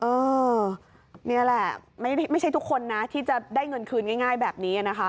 เออนี่แหละไม่ใช่ทุกคนนะที่จะได้เงินคืนง่ายแบบนี้นะคะ